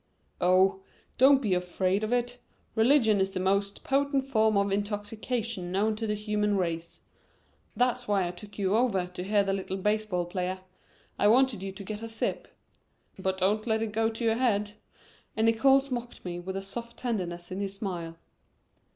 "Oh, don't be afraid of it. Religion is the most potent form of intoxication known to the human race. That's why I took you over to hear the little baseball player. I wanted you to get a sip. But don't let it go to your head." And Nickols mocked me with soft tenderness in his smile.